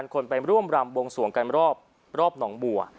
๒๘๐๐๐คนไปร่วมลำวงสวงกันรอบทางนองบัว